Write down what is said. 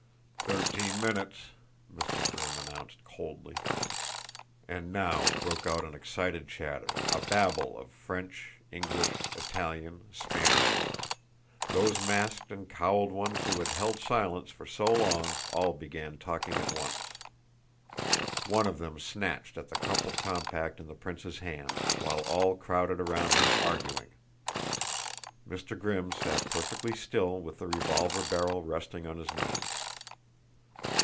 "Thirteen minutes!" Mr. Grimm announced coldly. And now broke out an excited chatter, a babel of French, English, Italian, Spanish; those masked and cowled ones who had held silence for so long all began talking at once. One of them snatched at the crumpled compact in the prince's hand, while all crowded around him arguing. Mr. Grimm sat perfectly still with the revolver barrel resting on his knees.